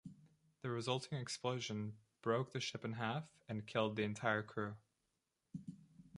The resulting explosion broke the ship in half and killed the entire crew.